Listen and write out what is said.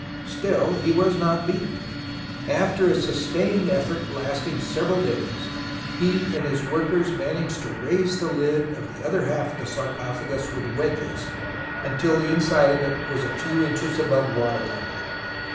Still he was not beaten. After a sustained effort lasting several days, he and his workers managed to raise the lid of the other half of the sarcophagus with wedges, until the inside of it was a few inches above water level.